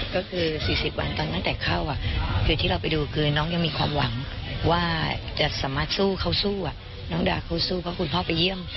ก็คือ๔๐วันตอนตั้งแต่เข้าคือที่เราไปดูคือน้องยังมีความหวังว่าจะสามารถสู้เขาสู้น้องดาเขาสู้เพราะคุณพ่อไปเยี่ยม